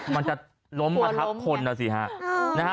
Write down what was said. มันจะล้มประทับคนแล้วสิฮะ